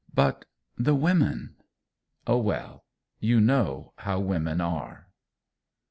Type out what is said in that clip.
But the women Oh, well, you know how women are!